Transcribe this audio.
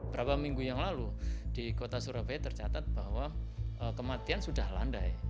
berapa minggu yang lalu di kota surabaya tercatat bahwa kematian sudah landai